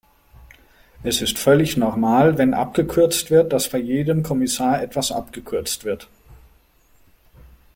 Es ist völlig normal, wenn abgekürzt wird, dass bei jedem Kommissar etwas abgekürzt wird.